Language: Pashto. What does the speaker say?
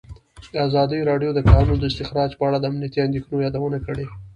ازادي راډیو د د کانونو استخراج په اړه د امنیتي اندېښنو یادونه کړې.